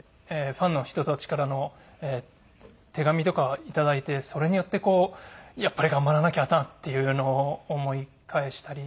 ファンの人たちからの手紙とか頂いてそれによってこうやっぱり頑張らなきゃなっていうのを思い返したり。